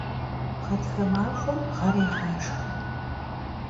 Ğatxe maxuem ğer yêğaşşxe.